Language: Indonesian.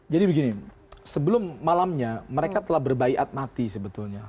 jadi begini sebelum malamnya mereka telah berbaikat mati sebetulnya